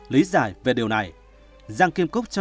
lý giải về điều này giang kim cúc cho